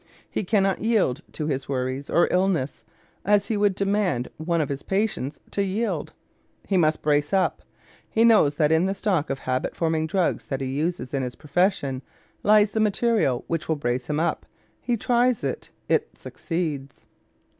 He cannot yield to his worries or illness, as he would demand one of his patients to yield. He must "brace up." He knows that in the stock of habit forming drugs that he uses in his profession lies the material which will brace him up. He tries it; it succeeds.